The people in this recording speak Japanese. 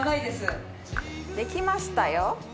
できましたよ。